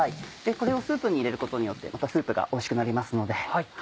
これをスープに入れることによってまたスープがおいしくなりますので。